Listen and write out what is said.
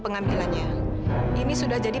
pengambilannya ini sudah jadi